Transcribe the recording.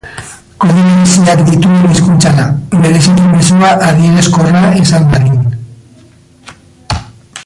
Kode bereziak dituen hizkuntza da, bereziki mezua adierazkorra izan dadin.